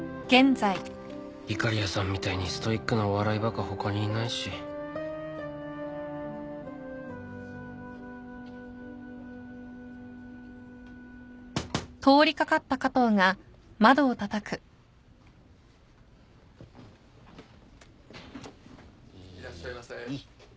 いかりやさんみたいにストイックなお笑いバカ他にいないしいらっしゃいませ。